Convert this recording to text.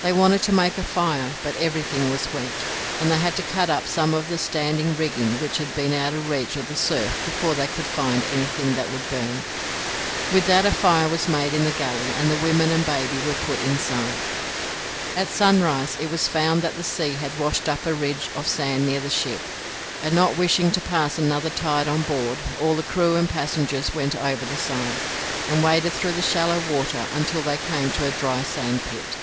They wanted to make a fire, but everything was wet, and they had to cut up some of the standing rigging which had been out of reach of the surf before they could find anything that would burn. With that a fire was made in the galley, and the women and baby were put inside. At sunrise it was found that the sea had washed up a ridge of sand near the ship, and, not wishing to pass another tide on board, all the crew and passengers went over the side, and waded through the shallow water until they came to a dry sand pit.